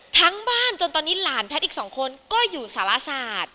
ทั้งบ้านจนตอนนี้หลานแพทย์อีก๒คนก็อยู่สารศาสตร์